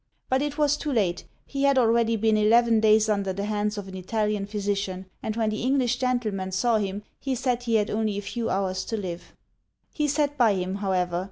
But it was too late: he had already been eleven days under the hands of an Italian physician, and when the English gentleman saw him he said he had only a few hours to live. 'He sat by him, however.